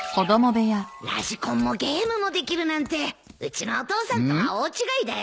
・ラジコンもゲームもできるなんてうちのお父さんとは大違いだよ。